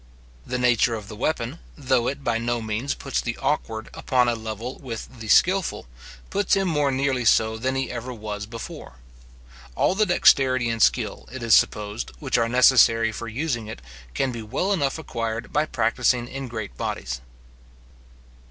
The nature of the weapon, though it by no means puts the awkward upon a level with the skilful, puts him more nearly so than he ever was before. All the dexterity and skill, it is supposed, which are necessary for using it, can be well enough acquired by practising in great bodies.